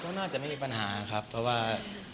ก็น่าจะไม่มีปัญหาครับเพราะว่า